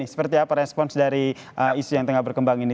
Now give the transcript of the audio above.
seperti apa respons dari isu yang tengah berkembang ini